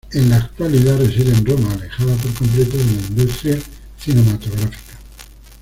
En la actualidad, reside en Roma, alejada por completo de la industria cinematográfica.